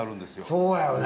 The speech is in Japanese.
そうやよね。